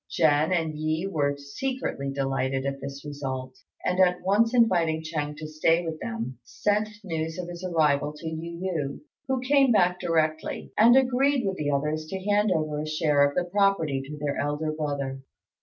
Jen and Yi were secretly delighted at this result, and at once inviting Ch'êng to stay with them, sent news of his arrival to Yu yü, who came back directly, and agreed with the others to hand over a share of the property to their elder brother.